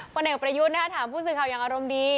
พ่อเนกประยุทธ์นะครับถามผู้สื่อข่าวอย่างอารมณ์ดี